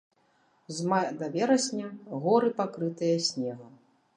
З мая да верасня горы пакрытыя снегам.